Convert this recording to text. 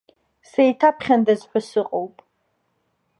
Сеиҭаԥхьандаз ҳәа сыҟоуп.